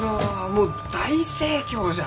もう大盛況じゃ。